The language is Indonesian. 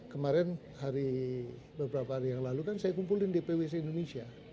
kemarin beberapa hari yang lalu saya kumpulin dpwc indonesia